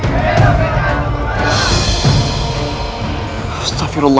baik istirahat dulu